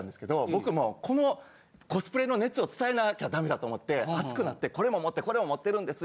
僕もうこのコスプレの熱を伝えなきゃダメだと思って熱くなってこれも持ってるこれも持ってるんです